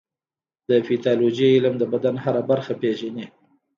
د پیتالوژي علم د بدن هره برخه پېژني.